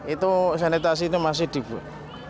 itu sanitasi itu masih dibuat